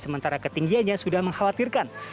sementara ketinggianya sudah mengkhawatirkan